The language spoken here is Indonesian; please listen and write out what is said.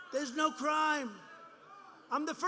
tidak ada kebohongan